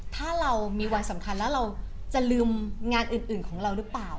ถ้าเรามีวันสำคัญแล้วเราจะลืมงานอื่นของเราหรือเปล่า